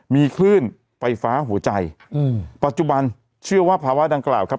มีคลื่นไฟฟ้าหัวใจอืมปัจจุบันเชื่อว่าภาวะดังกล่าวครับ